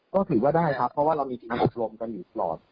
ก็ถือว่าได้ครับเพราะว่าเรามีทีมอบรมกันอยู่ตลอด